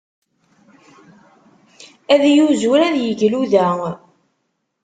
Ad yuzur ad yegluda.